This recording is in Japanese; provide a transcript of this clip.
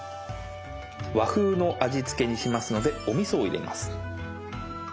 和風の味付けにしますのでおみそを入れます。